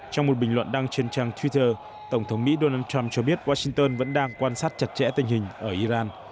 trong một bình luận đăng trên trang twitter tổng thống mỹ donald trump cho biết washington vẫn đang quan sát chặt chẽ tình hình ở iran